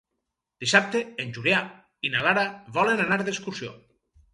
Dissabte en Julià i na Lara volen anar d'excursió.